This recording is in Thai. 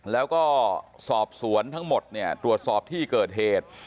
แล้วก็สอบสวนทั้งหมดเนี่ยตรวจสอบที่เกิดเหตุ